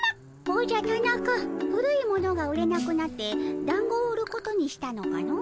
おじゃタナカ古いものが売れなくなってだんごを売ることにしたのかの？